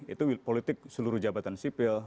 itu politik seluruh jabatan sipil